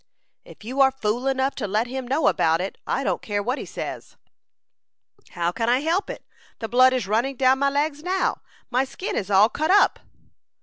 "If you are fool enough to let him know about it, I don't care what he says." "How can I help it? The blood is running down my legs now. My skin is all cut up."